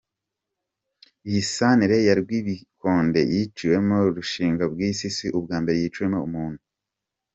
Iyi santere ya Rwibikonde yiciwemo Rushingabigwi si ubwa mbere yicirwamo umuntu.